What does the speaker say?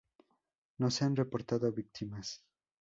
No se han reportado víctimas.